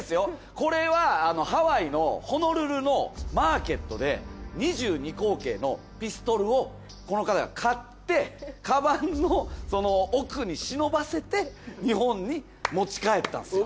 これはハワイのホノルルのマーケットで２２口径のピストルをこの方が買ってカバンの奥に忍ばせて日本に持ち帰ったんですよ。